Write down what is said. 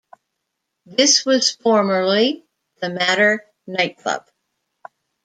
This was formerly the Matter nightclub.